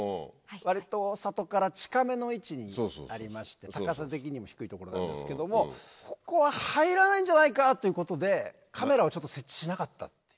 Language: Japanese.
割と里から近めの位置にありまして高さ的にも低い所なんですけどもここは入らないんじゃないかということでカメラを設置しなかったっていう。